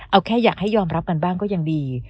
เอาแค่อยากให้ยอมรับกันบ้างก็ยังดี